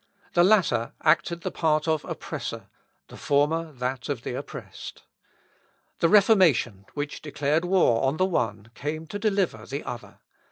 The latter acted the part of oppressor, the former that of the oppressed. The Reformation, which declared war on the one came to deliver the other.